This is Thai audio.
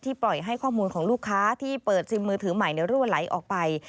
ปล่อยให้ข้อมูลของลูกค้าที่เปิดซิมมือถือใหม่รั่วไหลออกไป